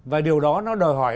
và điều đó nó đòi hỏi